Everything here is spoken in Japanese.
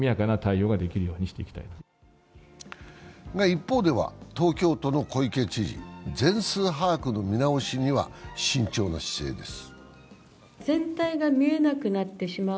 一方では東京都の小池知事、全数把握の見直しには慎重な姿勢です。